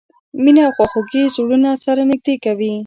مینه او خواخوږي زړونه سره نږدې کوي.